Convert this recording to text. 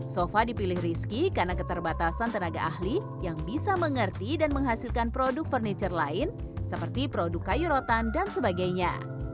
sofa dipilih rizky karena keterbatasan tenaga ahli yang bisa mengerti dan menghasilkan produk furniture lain seperti produk kayu rotan dan sebagainya